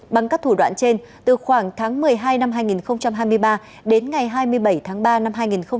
bằng các thủ đoạn trên từ khoảng tháng một mươi hai năm hai nghìn hai mươi ba đến ngày hai mươi bảy tháng ba năm hai nghìn hai mươi ba